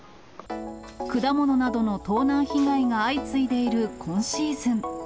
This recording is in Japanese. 果物などの盗難被害が相次いでいる今シーズン。